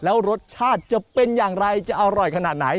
แล้วรสชาติจะเป็นอย่างไรจะอร่อยขนาดไหน